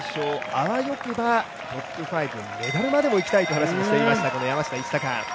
あわよくば、トップ５、メダルまでもいきたいという話しもしていました山下一貴。